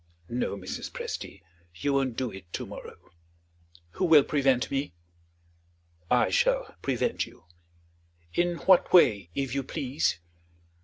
"No, Mrs. Presty, you won't do it to morrow." "Who will prevent me?" "I shall prevent you." "In what way, if you please?"